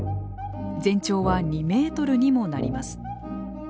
全長は２メートルにもなります。